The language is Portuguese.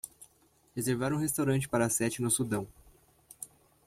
reservar um restaurante para sete no Sudão